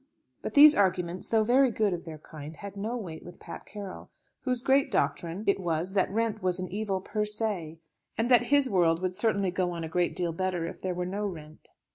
But these arguments, though very good of their kind, had no weight with Pat Carroll, whose great doctrine it was that rent was an evil per se; and that his world would certainly go on a great deal better if there were no rent.